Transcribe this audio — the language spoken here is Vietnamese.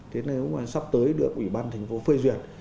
thế nếu mà sắp tới được ủy ban thành phố phê duyệt